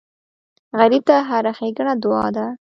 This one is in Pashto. غریب ته هره ښېګڼه دعا ده